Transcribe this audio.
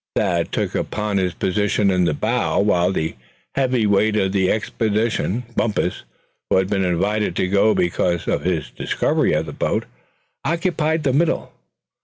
Thad took up his position in the bow, while the heavy weight of the expedition, Bumpus, who had been invited to go because of his discovery of the boat, occupied the middle.